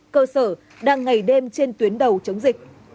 cơ sở đang ngày đêm trên tuyến đầu chống dịch